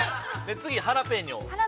◆次、ハラペーニョ。